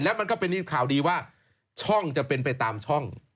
แล้วมันก็เป็นข่าวดีว่าช่องจะเป็นไปตามช่อง